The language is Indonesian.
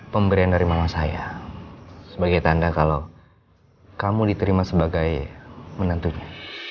pemberian dari mama saya sebagai tanda kalau kamu diterima sebagai menantunya